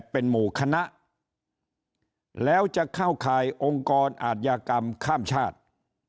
เป็นหมู่คณะแล้วจะเข้าข่ายองค์กรอาธิกรรมข้ามชาติ